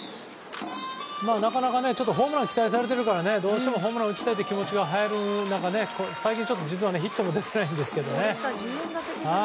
なかなかねホームラン期待されているからどうしてもホームランを打ちたいという気持ちがはやる中、実は最近ヒットも出ていないんですがね。